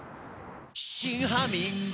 「新ハミング」